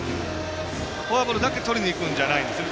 フォアボールだけとりにいくんじゃないんですよね。